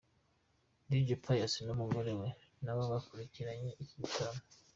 Dj Pius n'umugore we nabo bakurikiranye iki gitaramo.